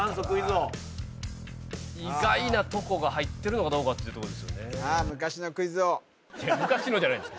まあ意外なとこが入ってるのかどうかっていうとこですよね昔のじゃないです